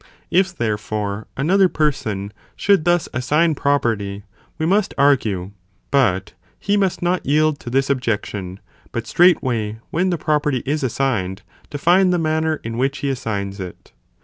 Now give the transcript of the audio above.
If, therefore, another person should thus assign property, we must argue, but he must not yield to this objection, but straightway, when the property is assigned, define the manner in which he assigns it.